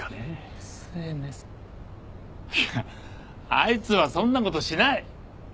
いやあいつはそんなことしない。